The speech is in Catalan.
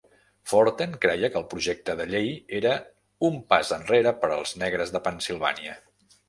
Forten creia que el projecte de llei era un pas enrere per als negres de Pennsilvània.